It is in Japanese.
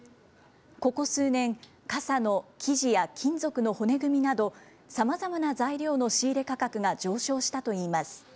ここ数年、傘の生地や金属の骨組みなど、さまざまな材料の仕入れ価格が上昇したといいます。